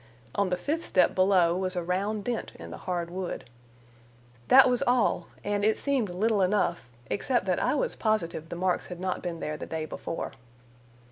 On the fifth step below was a round dent in the hard wood. That was all, and it seemed little enough, except that I was positive the marks had not been there the day before.